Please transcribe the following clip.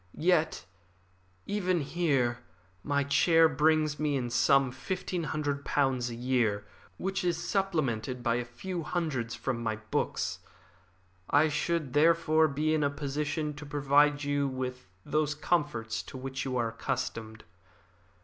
Yet, even here, my chair brings me in some fifteen hundred pounds a year, which is supplemented by a few hundreds from my books. I should therefore be in a position to provide you with those comforts to which you are accustomed.